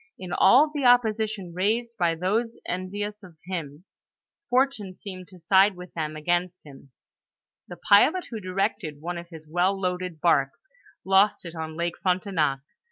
In all the opposition raised by those envious of him, fortune seemed to side with them against him ; the pilot who directed one of his well loaded barks, lost it on Lake Frontenac.